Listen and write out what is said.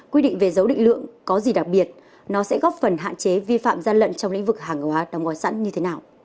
quy định về dấu định lượng có gì đặc biệt nó sẽ góp phần hạn chế vi phạm gian lận trong lĩnh vực hàng hóa đóng gói sẵn như thế nào